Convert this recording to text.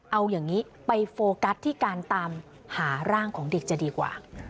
เอาอย่างนี้ไปโฟกัสที่การตามหาร่างของเด็กจะดีกว่า